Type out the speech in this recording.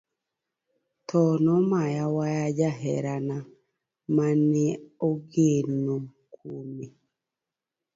Tho nomaya waya jaherane mane ogeno kuome.